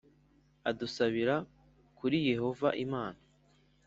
udusabira kuri Yehova Imana